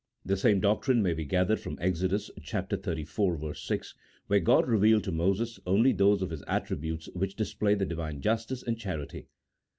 The same doctrine may be gathered from Exod. xxxiv. 6, where God revealed to Moses only those of His attributes which display the Divine justice and charity.